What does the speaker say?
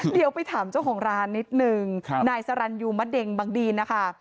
เดี๋ยวไปถามเจ้าของร้านนิดนึงนายสรรยูมะเด็งบางดีนนะคะ